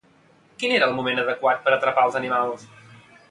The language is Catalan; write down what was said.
Quin era el moment adequat per atrapar els animals?